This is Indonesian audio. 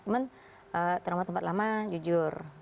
cuman trauma tempat lama jujur